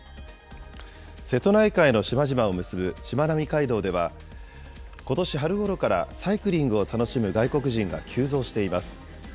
瀬戸内海の島々を結ぶしまなみ海道では、ことし春ごろからサイクリングを楽しむ外国人が急増しています。